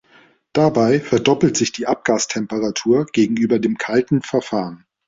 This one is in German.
Dabei verdoppelte sich die Abgastemperatur gegenüber dem „kalten“ Verfahren.